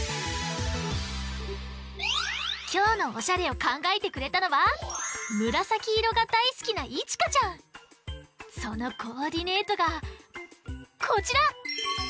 きょうのおしゃれをかんがえてくれたのはむらさきいろがだいすきなそのコーディネートがこちら！